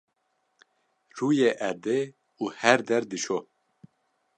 rûyê erdê û her der dişo.